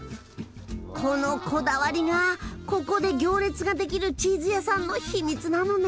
このこだわりがここで行列ができるチーズ屋さんの秘密なのね。